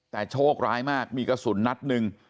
แต่โชคร้ายมากมีกระสุนนัดหนึ่ง